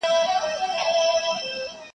o انسانان لا هم زده کوي تل,